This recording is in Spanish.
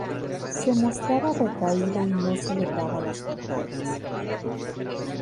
Se mostraba retraído y no celebraba las victorias.